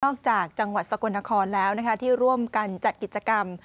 ออกจากจังหวัดสกลนครแล้วนะคะที่ร่วมกันจัดกิจกรรม